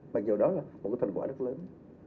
mặc dù đó là một thành quả rất lớn